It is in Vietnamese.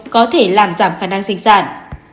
có thể làm giảm khả năng sinh sản